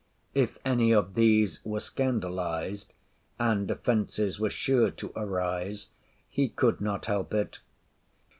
If any of these were scandalised (and offences were sure to arise), he could not help it.